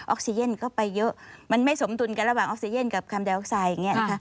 ออกเซียนก็ไปเยอะมันไม่สมดุลกันระหว่างออกเซียนกับคัมแดลออกไซด์